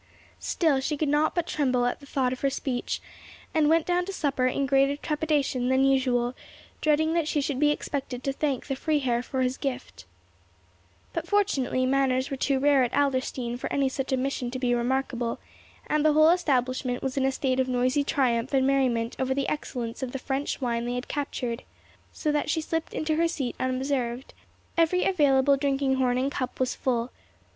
Still she could not but tremble at the thought of her speech, and went down to supper in greater trepidation than usual, dreading that she should be expected to thank the Freiherr for his gift. But, fortunately, manners were too rare at Adlerstein for any such omission to be remarkable, and the whole establishment was in a state of noisy triumph and merriment over the excellence of the French wine they had captured, so that she slipped into her seat unobserved. Every available drinking horn and cup was full.